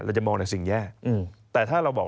จะมองในสิ่งแย่แต่ถ้าเราบอก